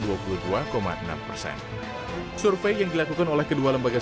survei yang dilakukan oleh kedua lembaga survei ini adalah ganjar dan ganjar